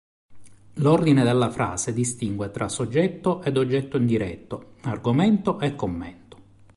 L'ordine della frase distingue tra soggetto ed oggetto indiretto, argomento e commento.